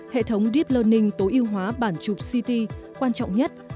hệ thống deep learning tối ưu hóa bản chụp ct quan trọng nhất